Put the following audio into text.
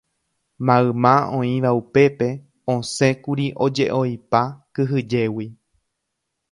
Mayma oĩva upépe osẽkuri ojeʼoipa kyhyjégui.